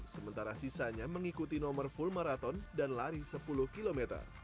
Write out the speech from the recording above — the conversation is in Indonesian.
sementara sisanya mengikuti nomor full maraton dan lari sepuluh km